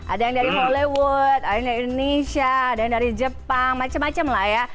ada yang dari hollywood ada yang dari indonesia ada yang dari jepang macam macam lah ya